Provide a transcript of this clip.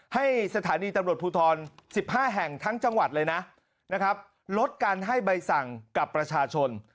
ให้สถานีตำรวจภูทร๑๕แห่งทั้งจังหวัดเลยนะลดการให้ใบสั่งกับประชาชน